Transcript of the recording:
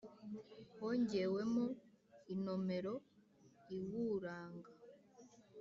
hongewemo inomero iwuranga